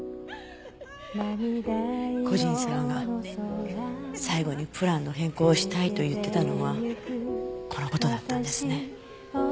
故人様が最後にプランの変更をしたいと言ってたのはこの事だったんですね。